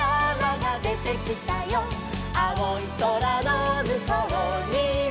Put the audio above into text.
「あおいそらのむこうには」